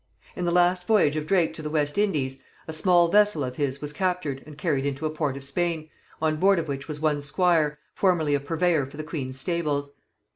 In the last voyage of Drake to the West Indies, a small vessel of his was captured and carried into a port of Spain, on board of which was one Squire, formerly a purveyor for the queen's stables.